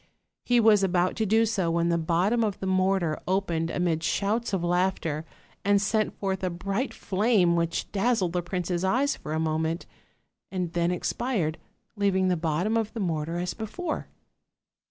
He was about to do so when the bottom of the mortar opened amid shouts of laughter, and sent forth a bright flame which dazzled the prince's eyes for a moment, and then expired, leaving the bottom of the mortar as before.